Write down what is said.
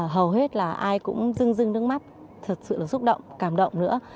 hầu hết là ai cũng rưng rưng nước mắt thật sự là xúc động cảm động nữa